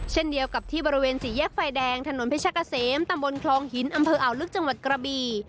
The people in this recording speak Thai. เช่นเดียวกับที่บริเวณสี่แยกไฟแดงถนนเพชรกะเสมตำบลคลองหินอำเภออ่าวลึกจังหวัดกระบี